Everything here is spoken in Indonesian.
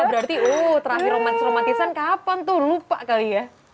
berarti uh terakhir romantis romantisan kapan tuh lupa kali ya